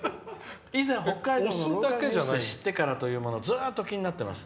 以前、北海道で知ってからというものずっと気になっています。